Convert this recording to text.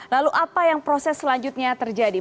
lalu apa yang proses selanjutnya terjadi